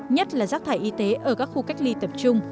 nhất là rác thải y tế ở các khu cách ly tập trung